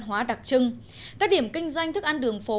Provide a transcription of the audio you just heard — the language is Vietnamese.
tạo nên nét văn hóa đặc trưng các điểm kinh doanh thức ăn đường phố